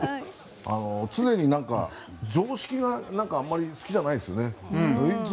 常に常識があまり好きじゃないですよね。